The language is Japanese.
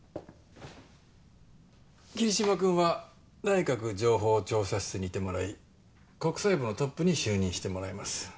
桐島君は内閣情報調査室にいてもらい国際部のトップに就任してもらいます。